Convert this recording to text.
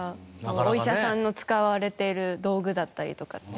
お医者さんが使われている道具だったりとかって。